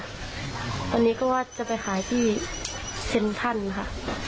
ตอนนี้ก็ว่าจะไปขายที่เซ็นทรัลค่ะ